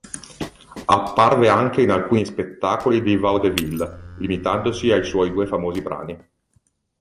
Apparve anche in alcuni spettacoli di Vaudeville, limitandosi ai suoi due famosi brani.